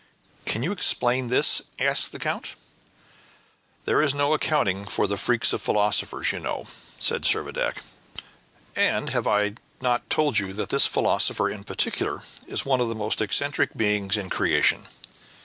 "Can you explain this?" asked the count. "There is no accounting for the freaks of philosophers, you know," said Servadac; "and have I not told you that this philosopher in particular is one of the most eccentric beings in creation?"